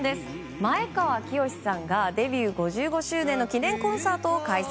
前川清さんがデビュー５５周年の記念コンサートを開催。